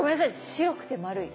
白くて丸い。